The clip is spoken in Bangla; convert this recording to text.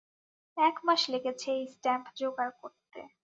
এক মাস লেগেছে এই স্ট্যাম্প যোগাড় করতে!